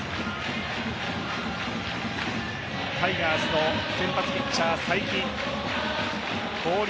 タイガースの先発ピッチャー・才木交流